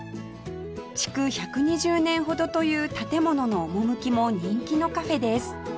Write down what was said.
築１２０年ほどという建物の趣も人気のカフェです